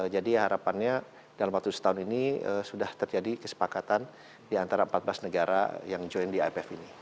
jadi harapannya dalam waktu setahun ini sudah terjadi kesepakatan di antara empat belas negara yang join di ipf ini